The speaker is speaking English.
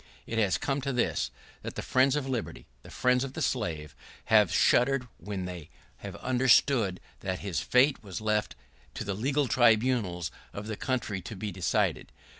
It has come to this, that the friends of liberty, the friends of the slave, have shuddered when they have understood that his fate was left to the legal tribunals of the country to be decided.